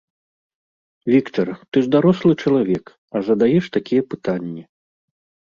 Віктар, ты ж дарослы чалавек, а задаеш такія пытанні.